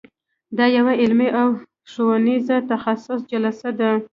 دا یوه علمي او ښوونیزه تخصصي جلسه ده.